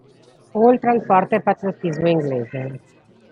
Oltre al forte patriottismo inglese.